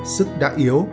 sức đã yếu